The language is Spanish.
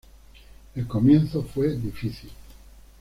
El comienzo fue difícil.